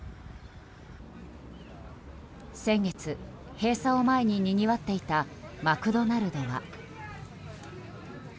先月、閉鎖を前ににぎわっていたマクドナルドは。